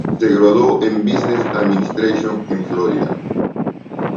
Se graduó en "Business Administration" en Florida.